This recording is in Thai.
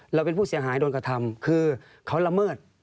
เราเป็นผู้เสียหายโดนกระทำคือเขาละเมิด